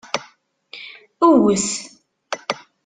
Ewwet!